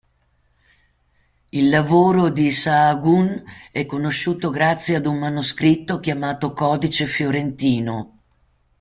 Il lavoro di Sahagún è conosciuto grazie ad un manoscritto chiamato Codice fiorentino.